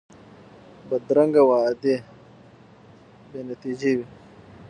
بدرنګه وعدې بې نتیجې وي